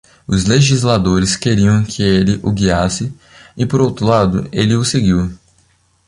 Os legisladores queriam que ele o guiasse e, por outro lado, ele o seguiu.